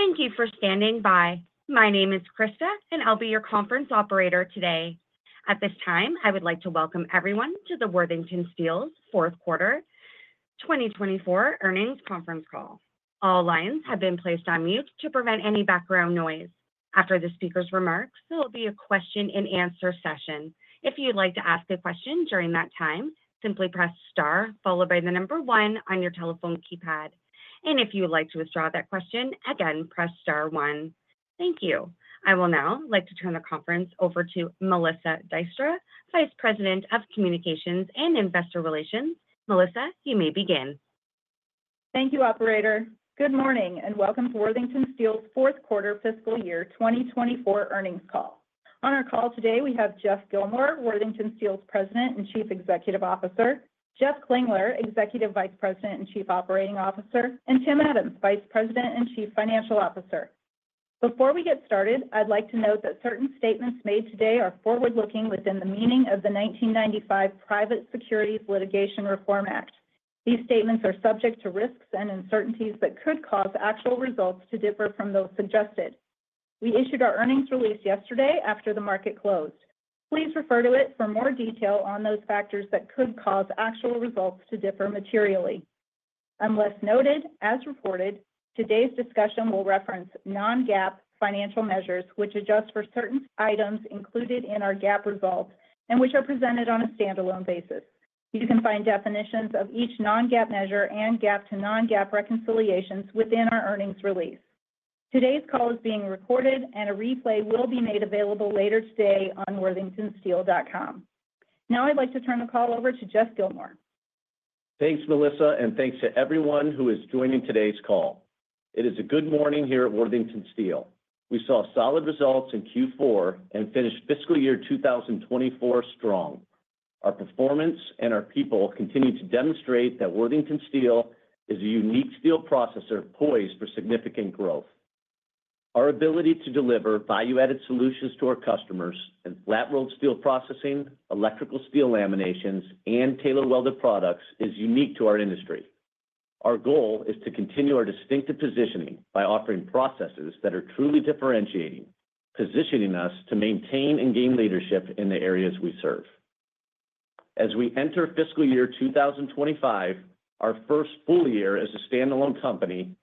Thank you for standing by. My name is Krista, and I'll be your conference operator today. At this time, I would like to welcome everyone to the Worthington Steel's Q4 2024 earnings conference call. All lines have been placed on mute to prevent any background noise. After the speaker's remarks, there will be a question-and-answer session. If you'd like to ask a question during that time, simply press star followed by the number one on your telephone keypad. And if you would like to withdraw that question, again, press star one. Thank you. I will now like to turn the conference over to Melissa Dyer, Vice President of Communications and Investor Relations. Melissa, you may begin. Thank you, operator. Good morning, and welcome to Worthington Steel's Q4 fiscal year 2024 earnings call. On our call today, we have Geoff Gilmore, Worthington Steel's President and Chief Executive Officer; Jeff Klingler, Executive Vice President and Chief Operating Officer; and Tim Adams, Vice President and Chief Financial Officer. Before we get started, I'd like to note that certain statements made today are forward-looking within the meaning of the 1995 Private Securities Litigation Reform Act. These statements are subject to risks and uncertainties that could cause actual results to differ from those suggested. We issued our earnings release yesterday after the market closed. Please refer to it for more detail on those factors that could cause actual results to differ materially. Unless noted, as reported, today's discussion will reference non-GAAP financial measures, which adjust for certain items included in our GAAP results and which are presented on a standalone basis. You can find definitions of each non-GAAP measure and GAAP to non-GAAP reconciliations within our earnings release. Today's call is being recorded, and a replay will be made available later today on worthingtonsteel.com. Now, I'd like to turn the call over to Geoff Gilmore. Thanks, Melissa, and thanks to everyone who is joining today's call. It is a good morning here at Worthington Steel. We saw solid results in Q4 and finished fiscal year 2024 strong. Our performance and our people continue to demonstrate that Worthington Steel is a unique steel processor poised for significant growth. Our ability to deliver value-added solutions to our customers in flat-rolled steel processing, electrical steel laminations, and tailor-welded products is unique to our industry. Our goal is to continue our distinctive positioning by offering processes that are truly differentiating, positioning us to maintain and gain leadership in the areas we serve. As we enter fiscal year 2025, our first full year as a standalone company,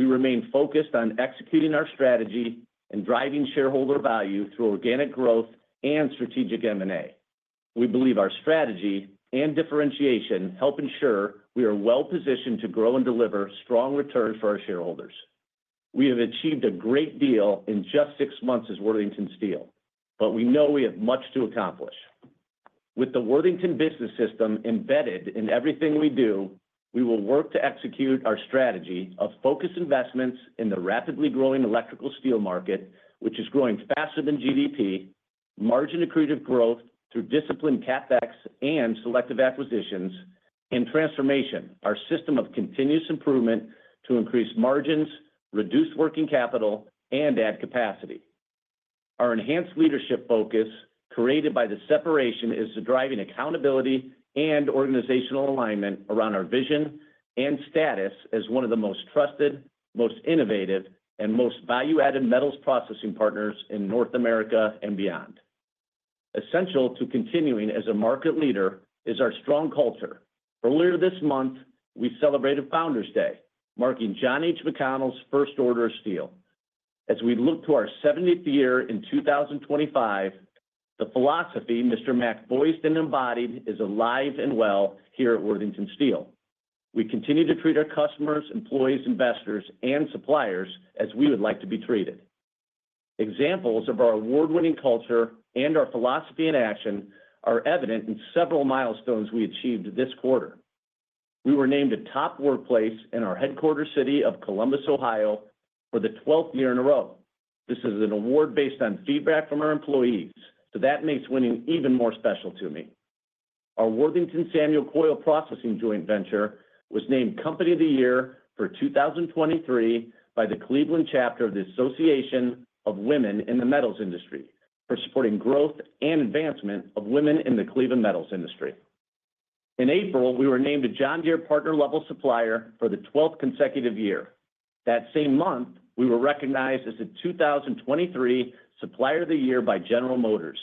we remain focused on executing our strategy and driving shareholder value through organic growth and strategic M&A. We believe our strategy and differentiation help ensure we are well positioned to grow and deliver strong return for our shareholders. We have achieved a great deal in just six months as Worthington Steel, but we know we have much to accomplish. With the Worthington Business System embedded in everything we do, we will work to execute our strategy of focused investments in the rapidly growing electrical steel market, which is growing faster than GDP, margin accretive growth through disciplined CapEx and selective acquisitions, and Transformation, our system of continuous improvement to increase margins, reduce working capital, and add capacity. Our enhanced leadership focus, created by the separation, is to driving accountability and organizational alignment around our vision and status as one of the most trusted, most innovative, and most value-added metals processing partners in North America and beyond. Essential to continuing as a market leader is our strong culture. Earlier this month, we celebrated Founder's Day, marking John H. McConnell's first order of steel. As we look to our seventieth year in 2025, the philosophy Mr. Mac voiced and embodied is alive and well here at Worthington Steel. We continue to treat our customers, employees, investors, and suppliers as we would like to be treated. Examples of our award-winning culture and our philosophy in action are evident in several milestones we achieved this quarter. We were named a Top Workplace in our headquarters city of Columbus, Ohio, for the 12th year in a row. This is an award based on feedback from our employees, so that makes winning even more special to me. Our Worthington Samuel Coil Processing joint venture was named Company of the Year for 2023 by the Cleveland chapter of the Association of Women in the Metal Industries for supporting growth and advancement of women in the Cleveland metals industry. In April, we were named a John Deere Partner-level supplier for the 12th consecutive year. That same month, we were recognized as a 2023 Supplier of the Year by General Motors.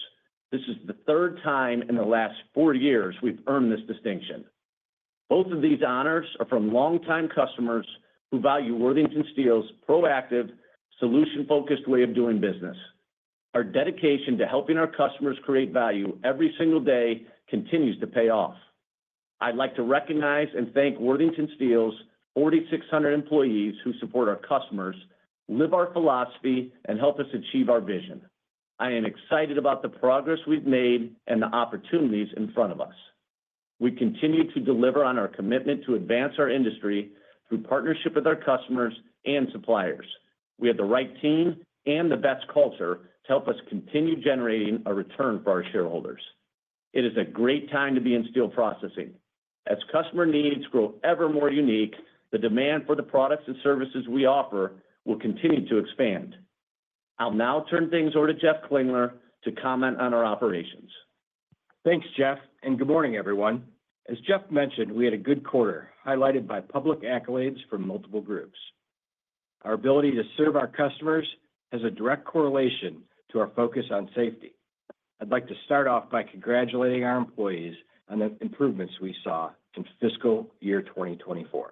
This is the 3rd time in the last four years we've earned this distinction. Both of these honors are from longtime customers who value Worthington Steel's proactive, solution-focused way of doing business. Our dedication to helping our customers create value every single day continues to pay off. I'd like to recognize and thank Worthington Steel's 4,600 employees who support our customers, live our philosophy, and help us achieve our vision. I am excited about the progress we've made and the opportunities in front of us. We continue to deliver on our commitment to advance our industry through partnership with our customers and suppliers. We have the right team and the best culture to help us continue generating a return for our shareholders. It is a great time to be in steel processing. As customer needs grow ever more unique, the demand for the products and services we offer will continue to expand. I'll now turn things over to Jeff Klingler to comment on our operations. Thanks, Geoff, and good morning, everyone. As Geoff mentioned, we had a good quarter, highlighted by public accolades from multiple groups. Our ability to serve our customers has a direct correlation to our focus on safety. I'd like to start off by congratulating our employees on the improvements we saw in fiscal year 2024.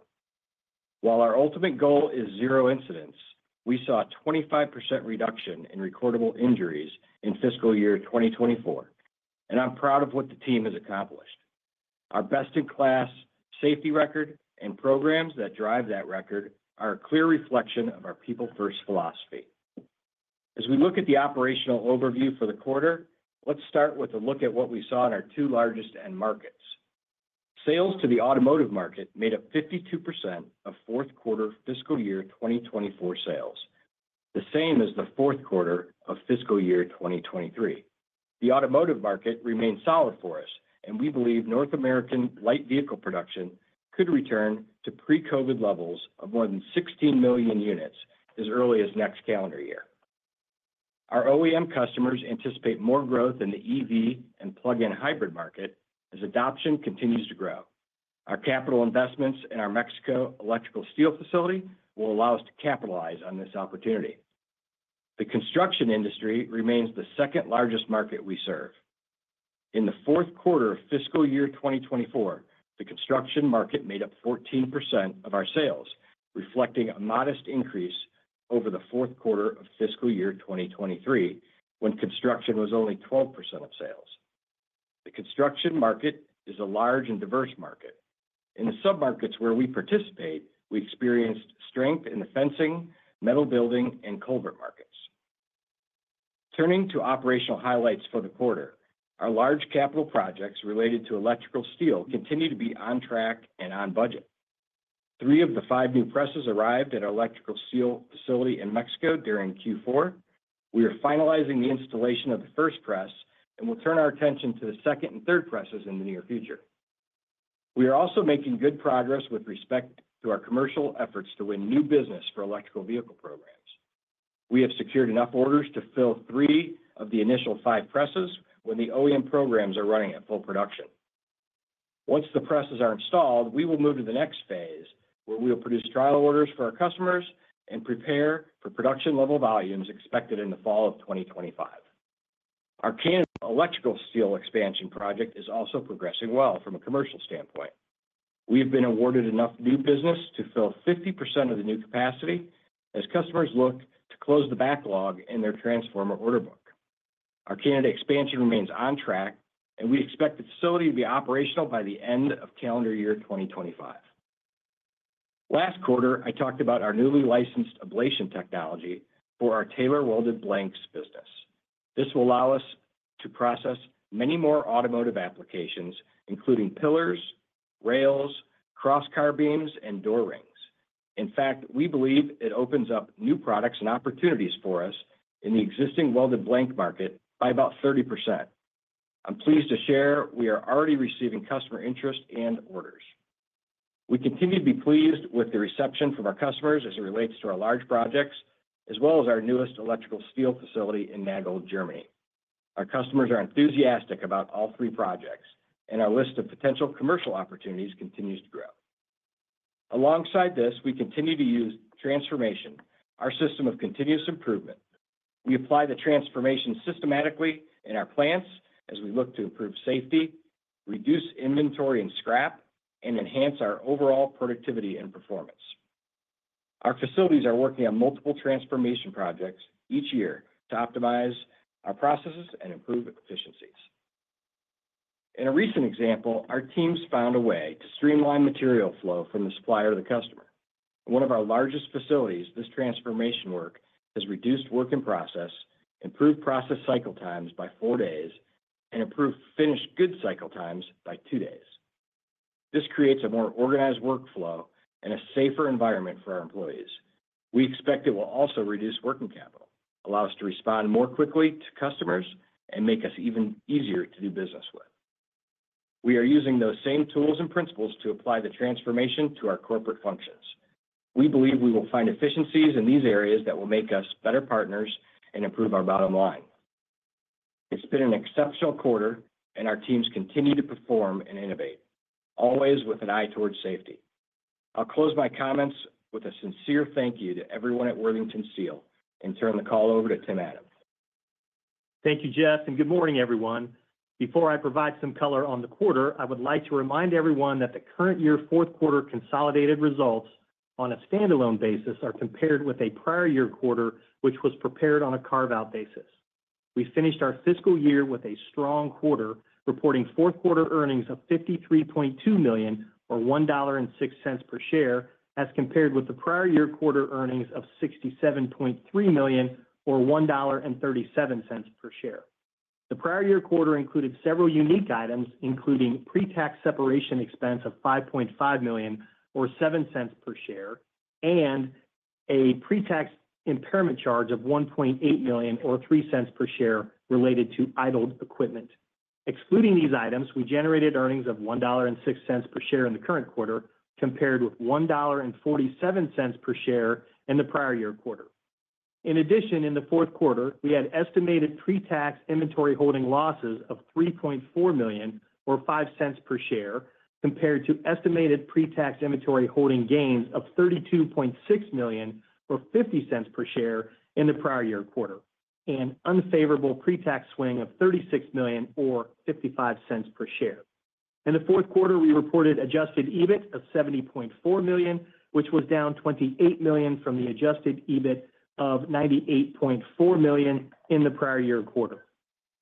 While our ultimate goal is zero incidents, we saw a 25% reduction in recordable injuries in fiscal year 2024, and I'm proud of what the team has accomplished. Our best-in-class safety record and programs that drive that record are a clear reflection of our people-first philosophy. As we look at the operational overview for the quarter, let's start with a look at what we saw in our two largest end markets. Sales to the automotive market made up 52% of Q4 fiscal year 2024 sales, the same as the Q4 of fiscal year 2023. The automotive market remains solid for us, and we believe North American light vehicle production could return to pre-COVID levels of more than 16 million units as early as next calendar year. Our OEM customers anticipate more growth in the EV and plug-in hybrid market as adoption continues to grow. Our capital investments in our Mexico electrical steel facility will allow us to capitalize on this opportunity. The construction industry remains the second-largest market we serve. In the Q4 of fiscal year 2024, the construction market made up 14% of our sales, reflecting a modest increase over the Q4 of fiscal year 2023, when construction was only 12% of sales. The construction market is a large and diverse market. In the submarkets where we participate, we experienced strength in the fencing, metal building, and culvert markets. Turning to operational highlights for the quarter, our large capital projects related to electrical steel continue to be on track and on budget. 3 of the 5 new presses arrived at our electrical steel facility in Mexico during Q4. We are finalizing the installation of the first press, and we'll turn our attention to the second and third presses in the near future. We are also making good progress with respect to our commercial efforts to win new business for electrical vehicle programs. We have secured enough orders to fill 3 of the initial 5 presses when the OEM programs are running at full production. Once the presses are installed, we will move to the next phase, where we will produce trial orders for our customers and prepare for production-level volumes expected in the fall of 2025. Our Canada electrical steel expansion project is also progressing well from a commercial standpoint. We've been awarded enough new business to fill 50% of the new capacity as customers look to close the backlog in their transformer order book. Our Canada expansion remains on track, and we expect the facility to be operational by the end of calendar year 2025. Last quarter, I talked about our newly licensed ablation technology for our tailor-welded blanks business. This will allow us to process many more automotive applications, including pillars, rails, cross-car beams, and door rings. In fact, we believe it opens up new products and opportunities for us in the existing welded blank market by about 30%. I'm pleased to share we are already receiving customer interest and orders. We continue to be pleased with the reception from our customers as it relates to our large projects, as well as our newest electrical steel facility in Nagold, Germany. Our customers are enthusiastic about all three projects, and our list of potential commercial opportunities continues to grow. Alongside this, we continue to use Transformation, our system of continuous improvement. We apply the Transformation systematically in our plants as we look to improve safety, reduce inventory and scrap, and enhance our overall productivity and performance. Our facilities are working on multiple Transformation projects each year to optimize our processes and improve efficiencies. In a recent example, our teams found a way to streamline material flow from the supplier to the customer. In one of our largest facilities, this Transformation work has reduced work in process, improved process cycle times by four days, and improved finished good cycle times by two days. This creates a more organized workflow and a safer environment for our employees. We expect it will also reduce working capital, allow us to respond more quickly to customers, and make us even easier to do business with. We are using those same tools and principles to apply the Transformation to our corporate functions. We believe we will find efficiencies in these areas that will make us better partners and improve our bottom line. It's been an exceptional quarter, and our teams continue to perform and innovate, always with an eye towards safety. I'll close my comments with a sincere thank you to everyone at Worthington Steel and turn the call over to Tim Adams. Thank you, Jeff, and good morning, everyone. Before I provide some color on the quarter, I would like to remind everyone that the current year Q4 consolidated results on a standalone basis are compared with a prior year quarter, which was prepared on a carve-out basis. We finished our fiscal year with a strong quarter, reporting Q4 earnings of $53.2 million, or $1.06 per share, as compared with the prior year quarter earnings of $67.3 million, or $1.37 per share. The prior year quarter included several unique items, including pre-tax separation expense of $5.5 million, or 7 cents per share, and a pre-tax impairment charge of $1.8 million, or 3 cents per share, related to idled equipment. Excluding these items, we generated earnings of $1.06 per share in the current quarter, compared with $1.47 per share in the prior year quarter. In addition, in the Q4, we had estimated pretax inventory holding losses of $3.4 million or $0.05 per share, compared to estimated pretax inventory holding gains of $32.6 million, or $0.50 per share in the prior year quarter, an unfavorable pretax swing of $36 million or $0.55 per share. In the Q4, we reported adjusted EBIT of $70.4 million, which was down $28 million from the adjusted EBIT of $98.4 million in the prior year quarter.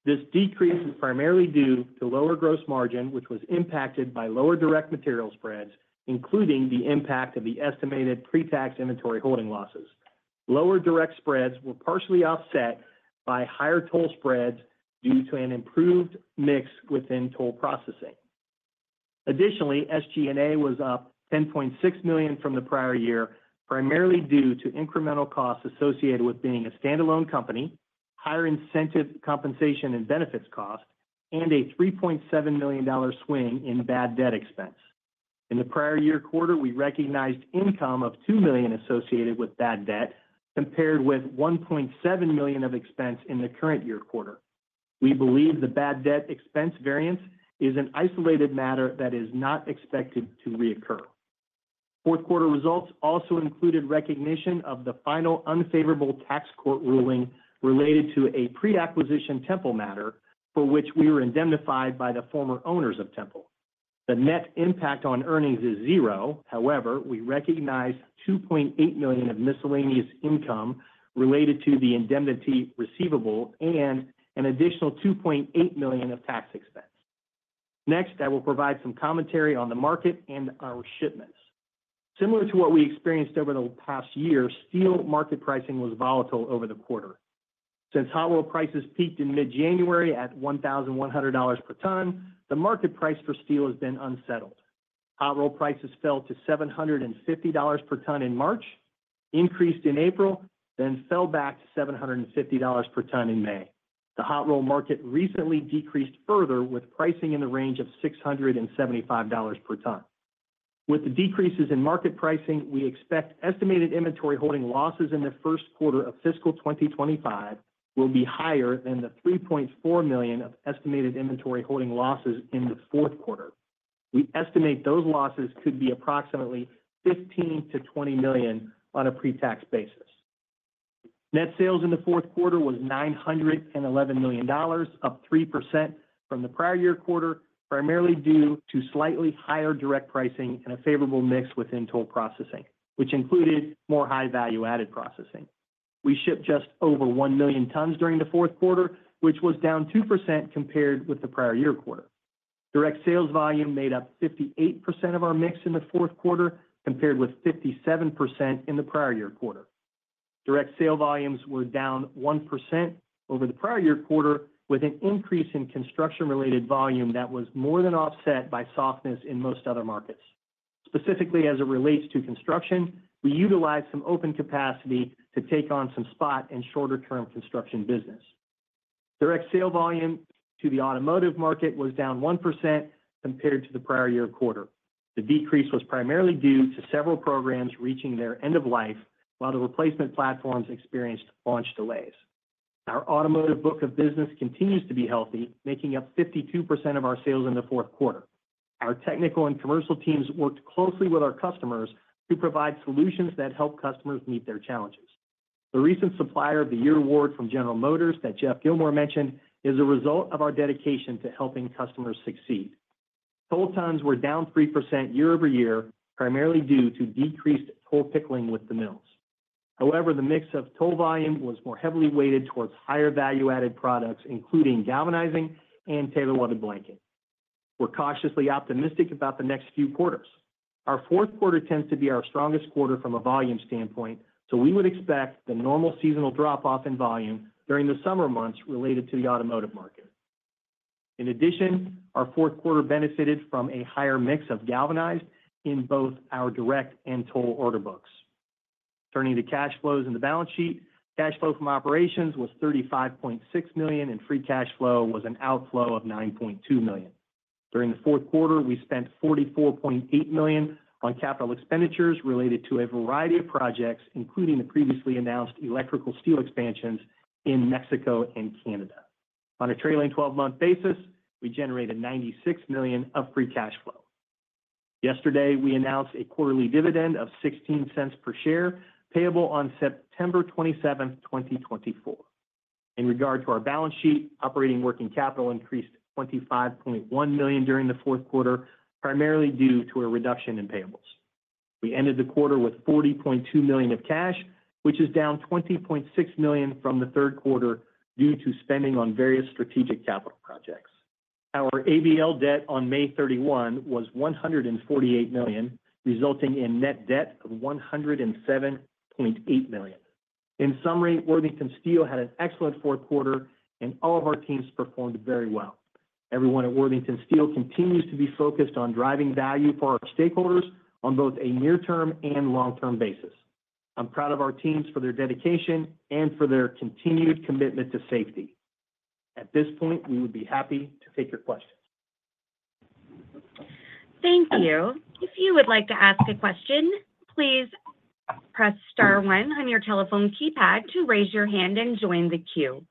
This decrease is primarily due to lower gross margin, which was impacted by lower direct material spreads, including the impact of the estimated pretax inventory holding losses. Lower direct spreads were partially offset by higher toll spreads due to an improved mix within toll processing. Additionally, SG&A was up $10.6 million from the prior year, primarily due to incremental costs associated with being a standalone company, higher incentive compensation and benefits costs, and a $3.7 million swing in bad debt expense. In the prior year quarter, we recognized income of $2 million associated with bad debt, compared with $1.7 million of expense in the current year quarter. We believe the bad debt expense variance is an isolated matter that is not expected to recur. Q4 results also included recognition of the final unfavorable tax court ruling related to a pre-acquisition Tempel matter, for which we were indemnified by the former owners of Tempel. The net impact on earnings is zero. However, we recognize $2.8 million of miscellaneous income related to the indemnity receivable and an additional $2.8 million of tax expense. Next, I will provide some commentary on the market and our shipments. Similar to what we experienced over the past year, steel market pricing was volatile over the quarter. Since hot-rolled prices peaked in mid-January at $1,100 per ton, the market price for steel has been unsettled. Hot roll prices fell to $750 per ton in March, increased in April, then fell back to $750 per ton in May. The hot-rolled market recently decreased further, with pricing in the range of $675 per ton. With the decreases in market pricing, we expect estimated inventory holding losses in the Q1 of fiscal 2025 will be higher than the $3.4 million of estimated inventory holding losses in the Q4. We estimate those losses could be approximately $15-$20 million on a pretax basis. Net sales in the Q4 was $911 million, up 3% from the prior year quarter, primarily due to slightly higher direct pricing and a favorable mix within toll processing, which included more high-value-added processing. We shipped just over 1,000,000 tons during the Q4, which was down 2% compared with the prior year quarter. Direct sales volume made up 58% of our mix in the Q4, compared with 57% in the prior year quarter. Direct sale volumes were down 1% over the prior year quarter, with an increase in construction-related volume that was more than offset by softness in most other markets. Specifically, as it relates to construction, we utilized some open capacity to take on some spot and shorter-term construction business. Direct sale volume to the automotive market was down 1% compared to the prior year quarter. The decrease was primarily due to several programs reaching their end of life, while the replacement platforms experienced launch delays. Our automotive book of business continues to be healthy, making up 52% of our sales in the Q4. Our technical and commercial teams worked closely with our customers to provide solutions that help customers meet their challenges. The recent Supplier of the Year award from General Motors, that Geoff Gilmore mentioned, is a result of our dedication to helping customers succeed. Toll tons were down 3% year-over-year, primarily due to decreased toll pickling with the mills. However, the mix of toll volume was more heavily weighted towards higher value-added products, including galvanizing and tailor-welded blanks. We're cautiously optimistic about the next few quarters. Our Q4 tends to be our strongest quarter from a volume standpoint, so we would expect the normal seasonal drop-off in volume during the summer months related to the automotive market. In addition, our Q4 benefited from a higher mix of galvanized in both our direct and toll order books. Turning to cash flows in the balance sheet, cash flow from operations was $35.6 million, and free cash flow was an outflow of $9.2 million. During the Q4, we spent $44.8 million on capital expenditures related to a variety of projects, including the previously announced electrical steel expansions in Mexico and Canada. On a trailing twelve-month basis, we generated $96 million of free cash flow. Yesterday, we announced a quarterly dividend of $0.16 per share, payable on September 27, 2024. In regard to our balance sheet, operating working capital increased $25.1 million during the Q4, primarily due to a reduction in payables. We ended the quarter with $40.2 million of cash, which is down $20.6 million from the Q3 due to spending on various strategic capital projects. Our ABL debt on May 31 was $148 million, resulting in net debt of $107.8 million. In summary, Worthington Steel had an excellent Q4, and all of our teams performed very well. Everyone at Worthington Steel continues to be focused on driving value for our stakeholders on both a near-term and long-term basis. I'm proud of our teams for their dedication and for their continued commitment to safety. At this point, we would be happy to take your questions. Thank you. If you would like to ask a question, please press star one on your telephone keypad to raise your hand and join the queue.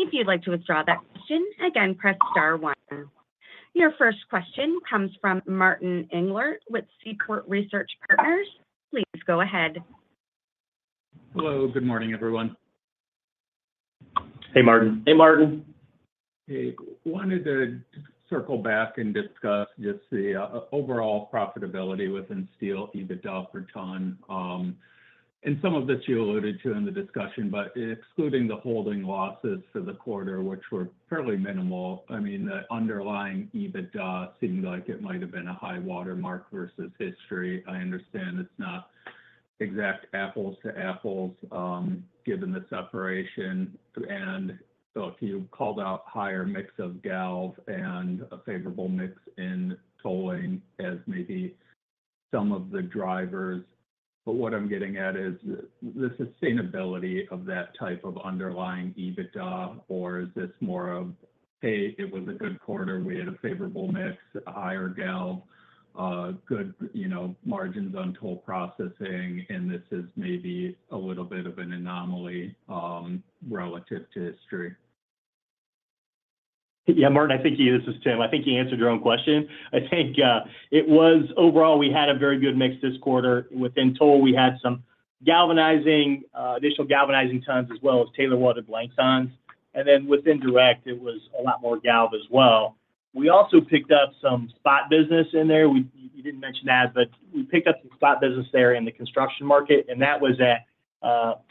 If you'd like to withdraw that question, again, press star one. Your first question comes from Martin Englert with Seaport Research Partners. Please go ahead. Hello, good morning, everyone. Hey, Martin. Hey, Martin. Hey, wanted to circle back and discuss just the overall profitability within steel, EBITDA per ton. And some of this you alluded to in the discussion, but excluding the holding losses for the quarter, which were fairly minimal, I mean, the underlying EBITDA seemed like it might have been a high watermark versus history. I understand it's not exact apples to apples, given the separation. And so if you called out higher mix of galv and a favorable mix in tolling as maybe some of the drivers. But what I'm getting at is the sustainability of that type of underlying EBITDA, or is this more of, "Hey, it was a good quarter. We had a favorable mix, a higher galv, good, you know, margins on toll processing, and this is maybe a little bit of an anomaly, relative to history? Yeah, Martin, I think you. This is Tim. I think you answered your own question. I think, it was overall, we had a very good mix this quarter. Within toll, we had some galvanizing, additional galvanizing times as well as tailor-welded blanks tons. And then within direct, it was a lot more galv as well. We also picked up some spot business in there. We didn't mention that, but we picked up some spot business there in the construction market, and that was at,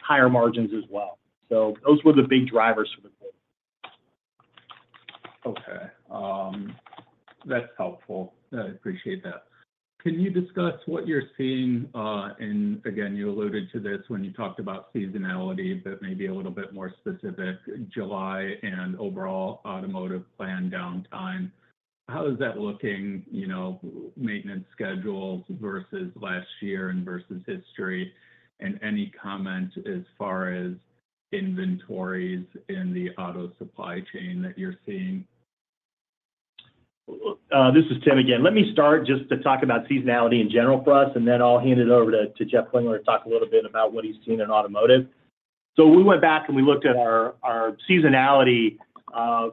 higher margins as well. So those were the big drivers for the quarter. Okay. That's helpful. I appreciate that. Can you discuss what you're seeing, and again, you alluded to this when you talked about seasonality, but maybe a little bit more specific, July and overall automotive plan downtime? How is that looking, you know, maintenance schedules versus last year and versus history? And any comment as far as inventories in the auto supply chain that you're seeing? This is Tim again. Let me start just to talk about seasonality in general for us, and then I'll hand it over to Jeff Klingler to talk a little bit about what he's seen in automotive. So we went back and we looked at our seasonality,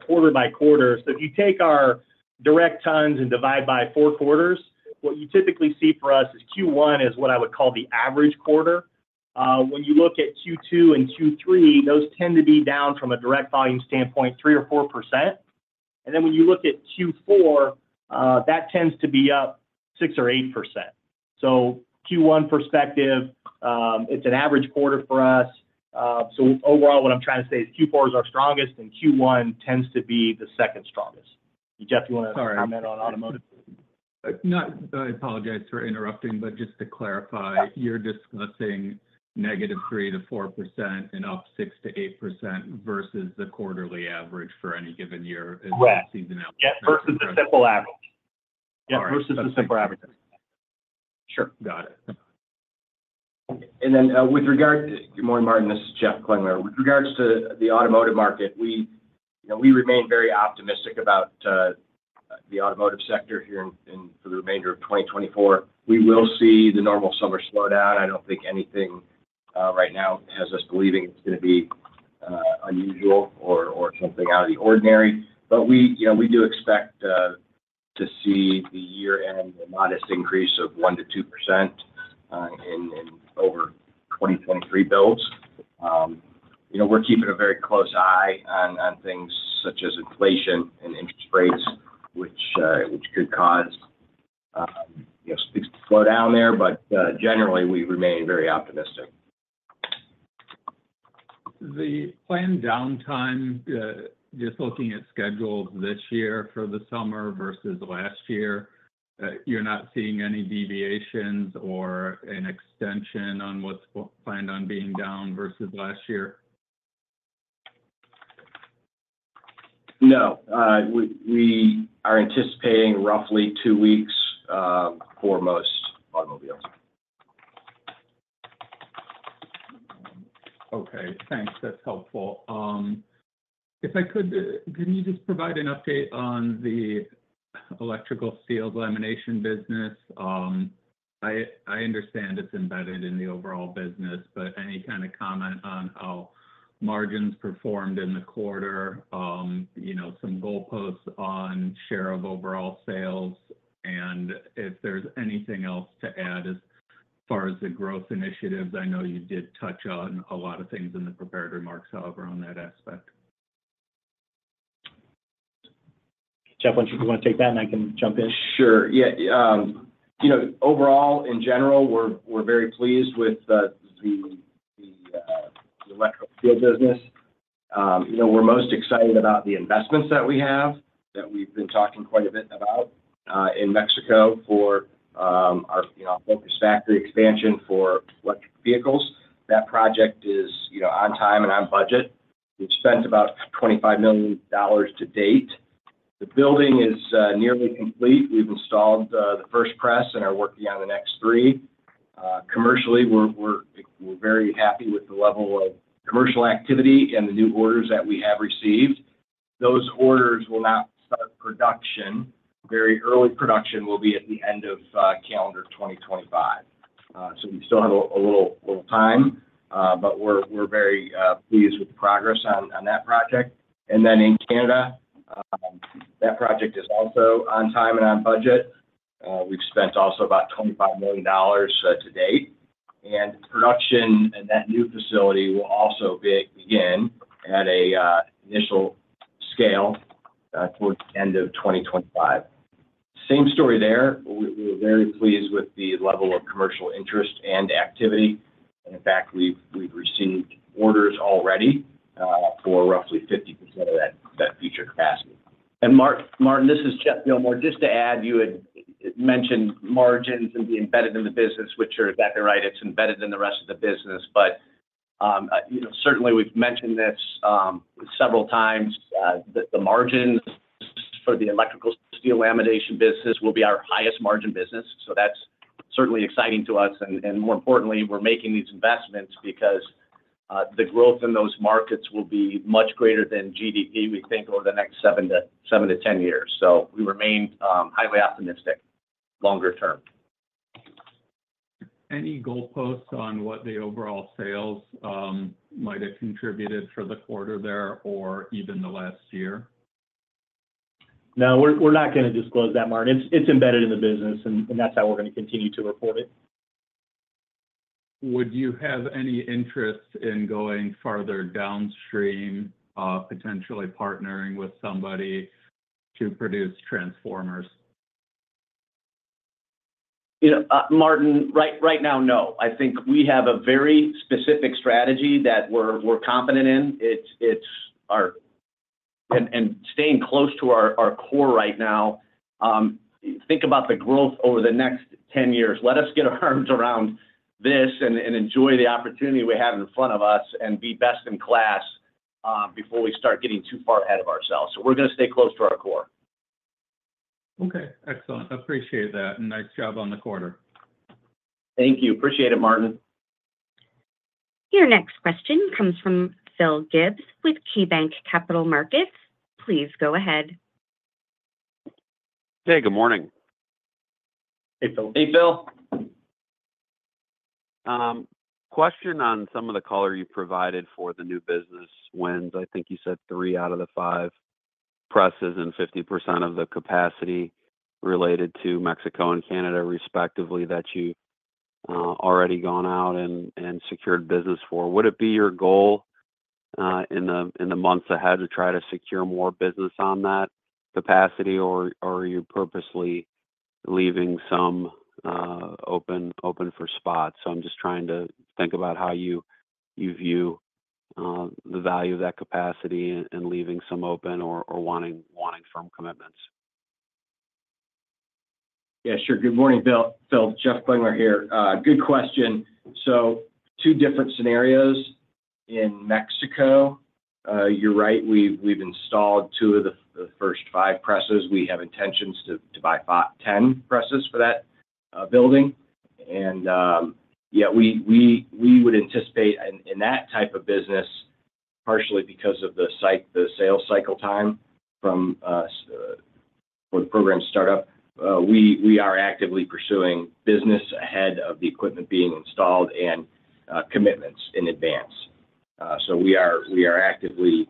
quarter by quarter. So if you take our direct tons and divide by Q4, what you typically see for us is Q1 is what I would call the average quarter. When you look at Q2 and Q3, those tend to be down from a direct volume standpoint, 3% or 4%. And then when you look at Q4, that tends to be up 6% or 8%. So Q1 perspective, it's an average quarter for us. So overall, what I'm trying to say is Q4 is our strongest, and Q1 tends to be the second strongest. Jeff, you want to comment on automotive? I apologize for interrupting, but just to clarify, you're discussing -3% to 4% and up 6%-8% versus the quarterly average for any given year- Right As the seasonality. Yes, versus the simple average. Yeah, versus the simple average. Sure. Got it. And then, with regard to.. Good morning, Martin, this is Jeff Klingler. With regards to the automotive market, we, you know, we remain very optimistic about the automotive sector here in for the remainder of 2024. We will see the normal summer slowdown. I don't think anything right now has us believing it's going to be unusual or something out of the ordinary. But generally, we remain very optimistic. The planned downtime, just looking at schedules this year for the summer versus last year, you're not seeing any deviations or an extension on what's planned on being down versus last year? No. We are anticipating roughly two weeks for most automobiles. Okay, thanks. That's helpful. If I could, can you just provide an update on the electrical steel lamination business? I understand it's embedded in the overall business, but any kind of comment on how margins performed in the quarter, you know, some goalposts on share of overall sales, and if there's anything else to add as far as the growth initiatives, I know you did touch on a lot of things in the prepared remarks, however, on that aspect. Jeff, once you want to take that, and I can jump in. Sure. Yeah, you know, overall, in general, we're very pleased with the electrical steel business. You know, we're most excited about the investments that we have, that we've been talking quite a bit about in Mexico for our focus factory expansion for electric vehicles. That project is, you know, on time and on budget. We've spent about $25 million to date. The building is nearly complete. We've installed the first press and are working on the next three. Commercially, we're very happy with the level of commercial activity and the new orders that we have received. Those orders will not start production. Very early production will be at the end of calendar 2025. So we still have a little time, but we're very pleased with the progress on that project. And then in Canada, that project is also on time and on budget. We've spent also about $25 million to date, and production in that new facility will also begin at an initial scale towards the end of 2025. Same story there. We're very pleased with the level of commercial interest and activity, and in fact, we've received orders already for roughly 50% of that future capacity. Mark-Martin, this is Geoff Gilmore. Just to add, you had mentioned margins and be embedded in the business, which you're exactly right, it's embedded in the rest of the business. But, you know, certainly we've mentioned this several times that the margins for the electrical steel lamination business will be our highest margin business, so that's certainly exciting to us. And more importantly, we're making these investments because the growth in those markets will be much greater than GDP, we think, over the next 7-10 years. So we remain highly optimistic longer term. Any goalposts on what the overall sales might have contributed for the quarter there or even the last year? No, we're not gonna disclose that, Martin. It's embedded in the business, and that's how we're gonna continue to report it. Would you have any interest in going farther downstream, potentially partnering with somebody to produce transformers? You know, Martin, right, right now, no. I think we have a very specific strategy that we're confident in. It's our... and staying close to our core right now, think about the growth over the next 10 years. Let us get our arms around this and enjoy the opportunity we have in front of us and be best in class, before we start getting too far ahead of ourselves. So we're gonna stay close to our core. Okay, excellent. Appreciate that, and nice job on the quarter. Thank you. Appreciate it, Martin. Your next question comes from Phil Gibbs with KeyBanc Capital Markets. Please go ahead. Hey, good morning. Hey, Phil. Hey, Phil. Question on some of the color you provided for the new business wins. I think you said 3 out of the 5 presses and 50% of the capacity related to Mexico and Canada, respectively, that you've already gone out and secured business for. Would it be your goal in the months ahead to try to secure more business on that capacity, or are you purposely leaving some open for spots? So I'm just trying to think about how you view the value of that capacity and leaving some open or wanting firm commitments. Yeah, sure. Good morning, Phil, Phil. Jeff Klingler here. Good question. So two different scenarios. In Mexico, you're right, we've installed two of the first five presses. We have intentions to buy five to ten presses for that building. And, yeah, we would anticipate in that type of business, partially because of the site, the sales cycle time from when the program start up, we are actively pursuing business ahead of the equipment being installed and commitments in advance. So we are actively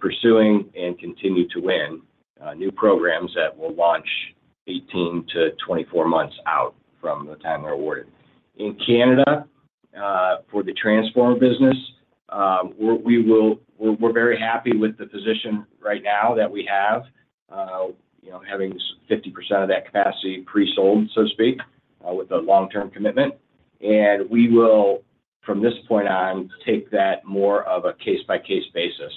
pursuing and continue to win new programs that will launch 18-24 months out from the time they're awarded. In Canada, for the transformer business, we're very happy with the position right now that we have, you know, having 50% of that capacity pre-sold, so to speak, with a long-term commitment. We will, from this point on, take that more of a case-by-case basis.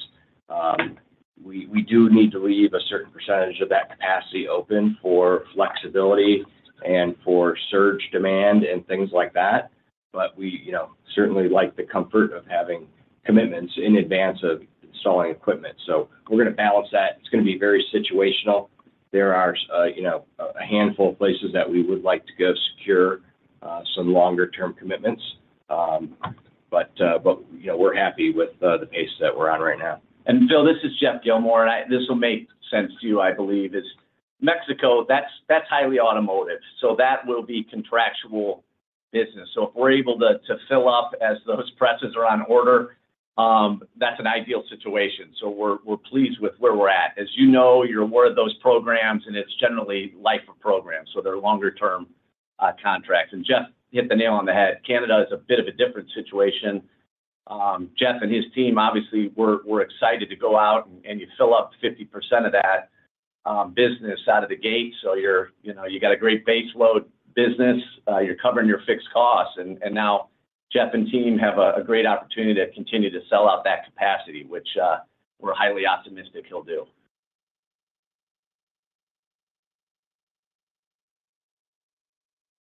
We do need to leave a certain percentage of that capacity open for flexibility and for surge demand and things like that, but we, you know, certainly like the comfort of having commitments in advance of installing equipment. So we're gonna balance that. It's gonna be very situational. There are, you know, a handful of places that we would like to go secure some longer term commitments. But, you know, we're happy with the pace that we're on right now. Phil, this is Geoff Gilmore, and this will make sense to you, I believe. Mexico, that's highly automotive, so that will be contractual business. So if we're able to fill up as those presses are on order, that's an ideal situation. So we're pleased with where we're at. As you know, you're aware of those programs, and it's generally life of programs, so they're longer-term contracts. And Jeff hit the nail on the head. Canada is a bit of a different situation. Jeff and his team, obviously, we're excited to go out and fill up 50% of that business out of the gate. So you know, you got a great baseload business. You're covering your fixed costs. Now Jeff and Tim have a great opportunity to continue to sell out that capacity, which we're highly optimistic he'll do.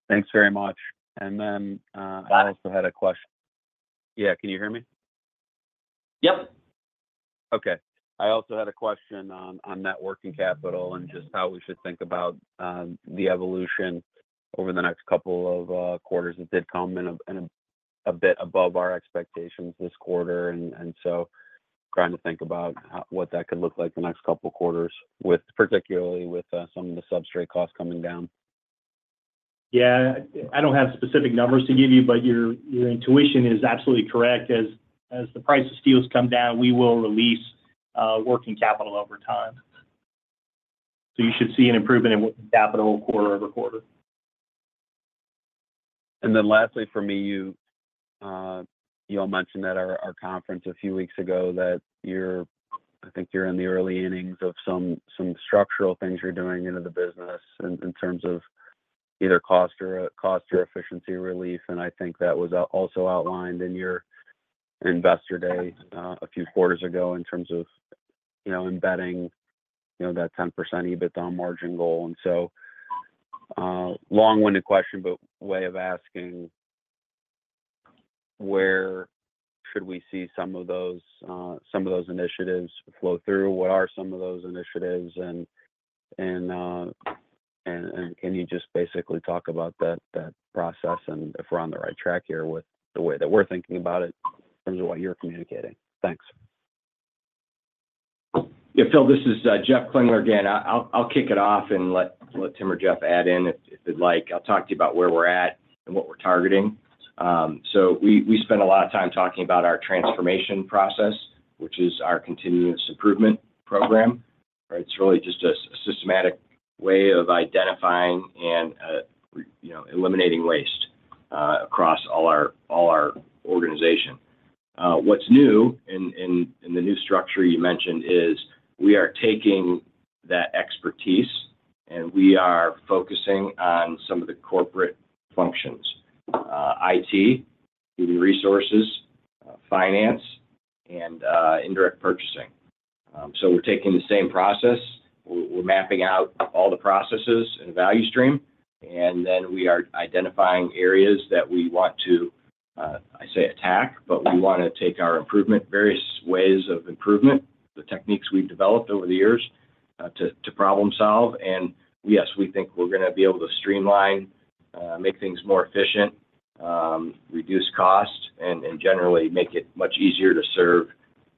Thanks very much. And then, I also had a question. Yeah. Can you hear me? Yep. Okay. I also had a question on net working capital and just how we should think about the evolution over the next couple of quarters. It did come in a bit above our expectations this quarter, and so trying to think about how—what that could look like the next couple quarters, with particularly with some of the substrate costs coming down. Yeah. I don't have specific numbers to give you, but your intuition is absolutely correct. As the price of steels come down, we will release working capital over time. So you should see an improvement in working capital quarter-over-quarter. And then lastly, for me, you, you all mentioned at our conference a few weeks ago that you're—I think you're in the early innings of some structural things you're doing into the business in terms of either cost or efficiency relief, and I think that was also outlined in your investor day a few quarters ago in terms of, you know, embedding, you know, that 10% EBITDA margin goal. And so, long-winded question, but way of asking, where should we see some of those initiatives flow through? What are some of those initiatives, and can you just basically talk about that process and if we're on the right track here with the way that we're thinking about it in terms of what you're communicating? Thanks. Yeah, Phil, this is Jeff Klingler again. I'll kick it off and let Tim or Geoff add in if they'd like. I'll talk to you about where we're at and what we're targeting. So we spent a lot of time talking about our transformation process, which is our continuous improvement program, right? It's really just a systematic way of identifying and, you know, eliminating waste across all our organization. What's new in the new structure you mentioned is we are taking that expertise, and we are focusing on some of the corporate functions: IT, human resources, finance, and indirect purchasing. So we're taking the same process. We're mapping out all the processes in a value stream, and then we are identifying areas that we want to, I say attack, but we wanna take our improvement, various ways of improvement, the techniques we've developed over the years, to problem solve. And yes, we think we're gonna be able to streamline, make things more efficient, reduce costs, and generally make it much easier to serve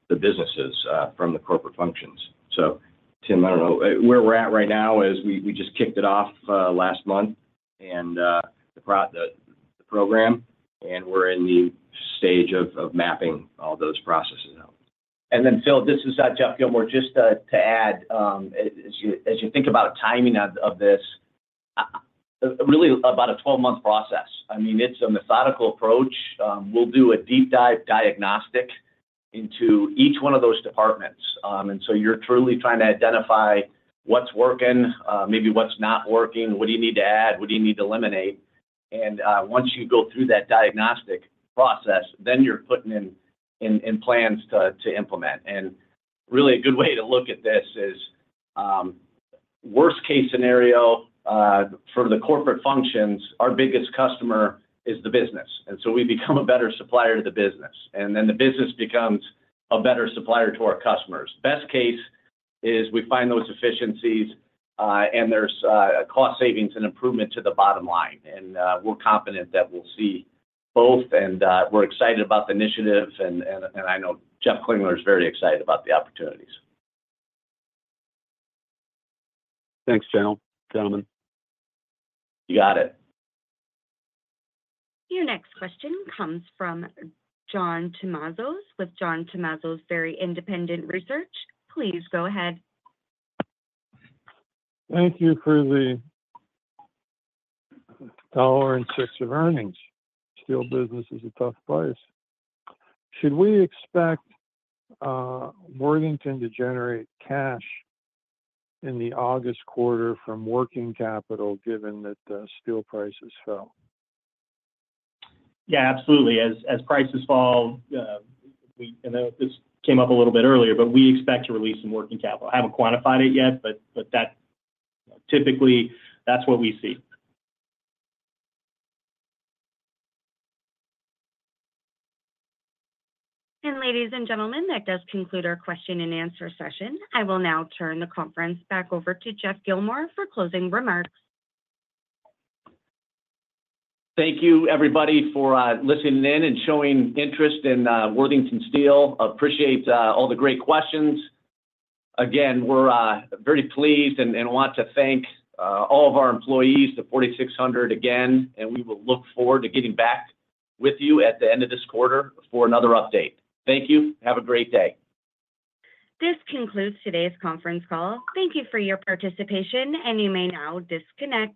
the businesses, from the corporate functions. So Tim, I don't know. Where we're at right now is we just kicked it off last month, and the program, and we're in the stage of mapping all those processes out. Then, Phil, this is Geoff Gilmore. Just to add, as you think about timing of this, really about a 12-month process. I mean, it's a methodical approach. We'll do a deep dive diagnostic into each one of those departments. And so you're truly trying to identify what's working, maybe what's not working, what do you need to add, what do you need to eliminate? And once you go through that diagnostic process, then you're putting in plans to implement. And really, a good way to look at this is, worst case scenario, for the corporate functions, our biggest customer is the business, and so we become a better supplier to the business, and then the business becomes a better supplier to our customers. Best case is we find those efficiencies, and there's a cost savings and improvement to the bottom line. We're confident that we'll see both, and we're excited about the initiatives, and I know Jeff Klingler is very excited about the opportunities. Thanks, gentlemen. You got it. Your next question comes from John Tumazos with John Tumazos Very Independent Research. Please go ahead. Thank you for the $1.06 of earnings. Steel business is a tough place. Should we expect Worthington to generate cash in the August quarter from working capital, given that the steel prices fell? Yeah, absolutely. As prices fall, I know this came up a little bit earlier, but we expect to release some working capital. I haven't quantified it yet, but that typically, that's what we see. Ladies and gentlemen, that does conclude our question and answer session. I will now turn the conference back over to Geoff Gilmore for closing remarks. Thank you, everybody, for listening in and showing interest in Worthington Steel. Appreciate all the great questions. Again, we're very pleased and want to thank all of our employees, the 4,600 again, and we will look forward to getting back with you at the end of this quarter for another update. Thank you. Have a great day. This concludes today's conference call. Thank you for your participation, and you may now disconnect.